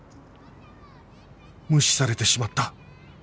無視されてしまった